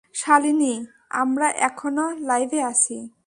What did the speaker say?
শালিনী, আমরা এখনো লাইভে আছি।